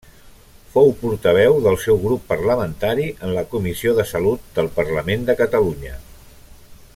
Fou portaveu del seu grup parlamentari en la Comissió de Salut del parlament de Catalunya.